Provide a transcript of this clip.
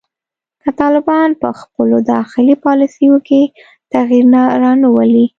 که طالبان په خپلو داخلي پالیسیو کې تغیر رانه ولي